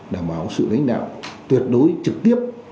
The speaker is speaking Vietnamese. đảm bảo sự đánh đạo tuyệt đối trực tiếp